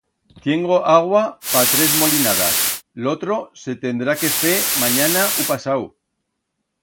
Tiengo agua pa tres molinadas, l'otro se tendrá que fer manyana u pasau.